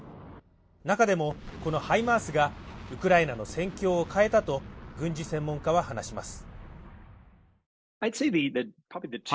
中でも、このハイマースがウクライナの戦況を変えたと軍事専門家は話します。